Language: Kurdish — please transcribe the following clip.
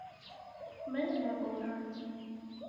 Min neborand.